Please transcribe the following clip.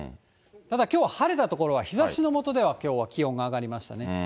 ただきょう、晴れた所は日ざしの下では、きょうは気温が上がりましたね。